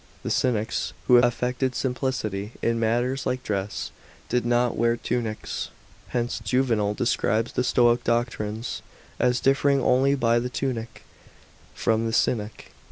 The Cynics, who affected simplicity in matters like dress, did not wear tunics ; hence Juvenal describes the Stoic doctrines as "differing only by the tunic from the Cynic."